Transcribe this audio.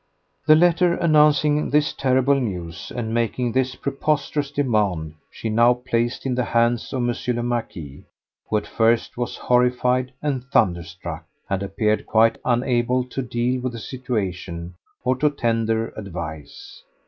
The letter announcing this terrible news and making this preposterous demand she now placed in the hands of M. le Marquis, who at first was horrified and thunderstruck, and appeared quite unable to deal with the situation or to tender advice.